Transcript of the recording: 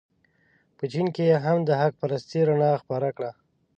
په چین کې یې هم د حق پرستۍ رڼا خپره کړه.